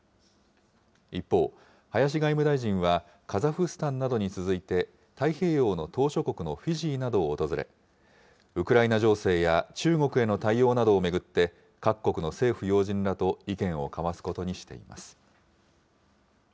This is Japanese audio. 一方、林外務大臣は、カザフスタンなどに続いて、太平洋の島しょ国のフィジーなどを訪れ、ウクライナ情勢や中国への対応などを巡って、各国の政府要人らと意見を交わすことにしています。